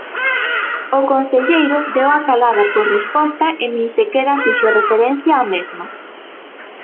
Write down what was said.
O conselleiro deu a calada por resposta e nin sequera fixo referencia á mesma.